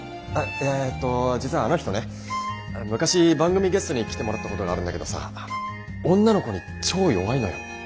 いやえっと実はあの人ね昔番組ゲストに来てもらったことがあるんだけどさ女の子に超弱いのよ。